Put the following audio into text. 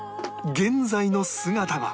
現在の姿は